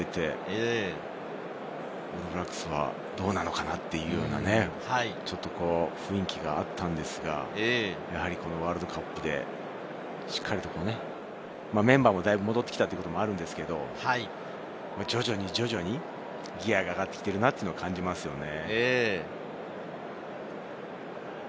開幕戦ではね、フランスに敗れて、オールブラックスはどうなのかな？というような、ちょっと雰囲気があったんですが、やはりワールドカップでしっかりとメンバーも、だいぶ戻ってきたということもあるんですけれど、徐々にギアが上がってきているのを感じますよね。